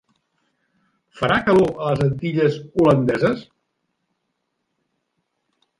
Farà calor a les Antilles Holandeses?